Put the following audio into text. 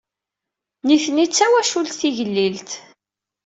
Nitni d tawacult tigellilt.